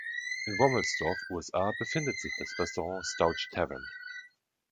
In Womelsdorf, USA, befindet sich das Restaurant Stouch Tavern.